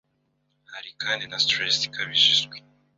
Hari kandi na stress ikabije izwi